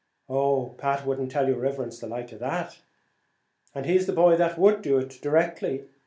"Oh, Pat would not tell your riverence the like of that." "And he's the boy that would do it, directly.